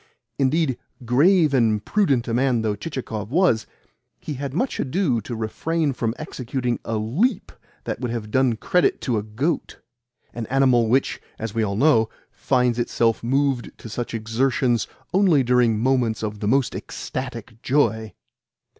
Indeed, grave and prudent a man though Chichikov was, he had much ado to refrain from executing a leap that would have done credit to a goat (an animal which, as we all know, finds itself moved to such exertions only during moments of the most ecstatic joy).